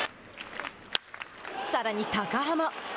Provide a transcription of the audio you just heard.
さらに、高濱。